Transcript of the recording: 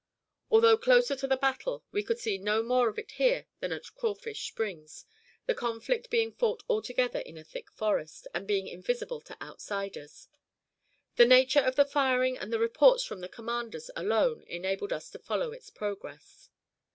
Although closer to the battle, we could see no more of it here than at Crawfish Springs, the conflict being fought altogether in a thick forest, and being invisible to outsiders. The nature of the firing and the reports from the commanders alone enabled us to follow its progress.